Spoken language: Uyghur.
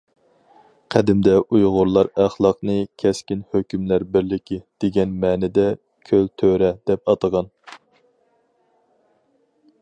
قەدىمدە ئۇيغۇرلار ئەخلاقنى« كەسكىن ھۆكۈملەر بىرلىكى» دېگەن مەنىدە« كۆل تۆرە» دەپ ئاتىغان.